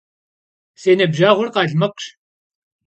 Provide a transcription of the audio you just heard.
Si nıbjeğur khalmıkhş.